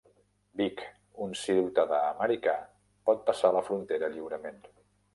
Vic, un ciutadà americà, pot passar la frontera lliurement.